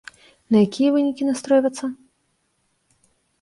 На якія вынікі настройвацца?